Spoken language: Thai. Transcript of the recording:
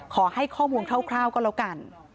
ขอให้ข้อมูลคร่าวก็แล้วกัน